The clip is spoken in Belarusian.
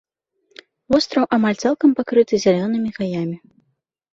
Востраў амаль цалкам пакрыты зялёнымі гаямі.